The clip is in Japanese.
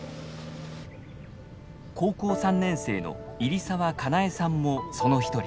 高校３年生の入澤佳苗さんもその一人。